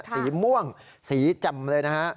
สีม่วงสีแจ่มเลยนะฮะ